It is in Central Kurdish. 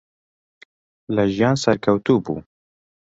لە ژیان سەرکەوتوو بوو.